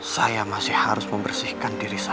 saya masih mem roomset sama tadi juga